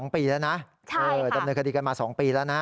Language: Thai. ๒ปีแล้วนะดำเนินคดีกันมา๒ปีแล้วนะ